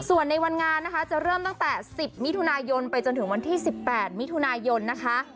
ส่วนในวันงานนะคะจะเริ่มตั้งแต่๑๐มิถุนายนไปจนถึงวันที่๑๘มิถุนายนนะคะ